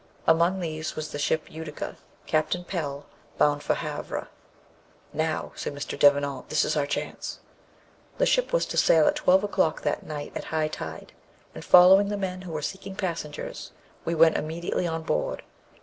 Among these was the ship Utica, Captain Pell, bound for Havre. 'Now,' said Mr. Devenant, 'this is our chance.' The ship was to sail at twelve o'clock that night, at high tide; and following the men who were seeking passengers, we went immediately on board.